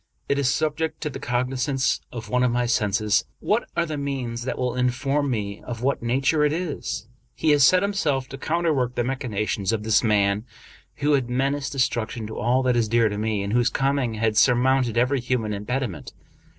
It is subject to the cognizance of one of my senses. What are the means that will inform me of what nature it is ? He has set himself to counter work the machinations of this man, who had menaced de struction to all that is dear to me, and whose coming had surmounted every human impediment.